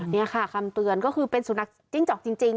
นี่ค่ะคำเตือนก็คือเป็นสุนัขจิ้งจอกจริง